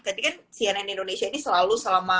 jadi kan cnn indonesia ini selalu selama